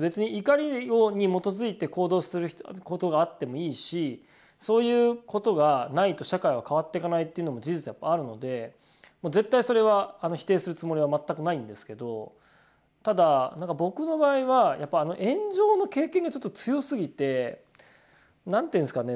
別に怒りに基づいて行動することがあってもいいしそういうことがないと社会は変わっていかないっていうのも事実あるので絶対それは否定するつもりは全くないんですけどただなんか僕の場合はやっぱ炎上の経験がちょっと強すぎて何ていうんですかね